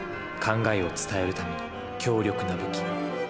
考えを伝えるための強力な武器。